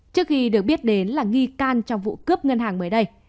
trước khi được biết đến là nghi can trong vụ cướp ngân hàng mới đây